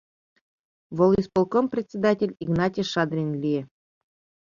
Волисполком председатель Игнатий Шадрин лие.